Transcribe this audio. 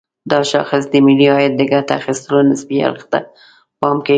دا شاخص د ملي عاید د ګټه اخيستلو نسبي اړخ ته پام کوي.